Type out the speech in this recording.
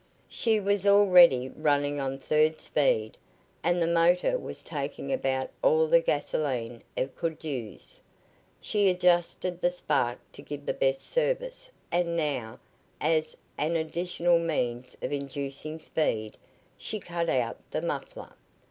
She was already running on third speed, and the motor was taking about all the gasolene it could use. She adjusted the spark to give the best service, and now, as an additional means of inducing speed, she cut out the muffler.